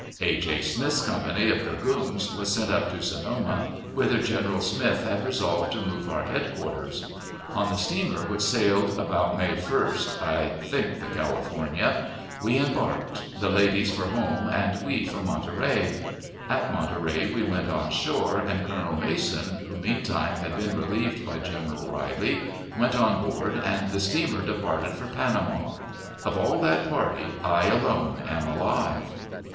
A. J. Smith's company of dragoons was sent up to Sonoma, whither General Smith had resolved to move our headquarters. On the steamer which sailed about May 1st (I think the California), we embarked, the ladies for home and we for Monterey. At Monterey we went on shore, and Colonel Mason, who meantime had been relieved by General Riley, went on board, and the steamer departed for Panama. Of all that party I alone am alive.